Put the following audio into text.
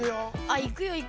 「行くよ行くよ」。